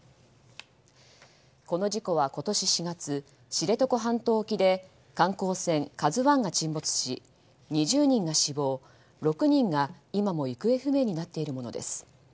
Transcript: この事故は今年４月知床半島沖で観光船「ＫＡＺＵ１」が沈没し２０人が死亡、６人が今も行方不明になっているものです。